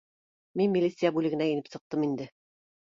Мин милиция бүлегенә инеп сыҡтым инде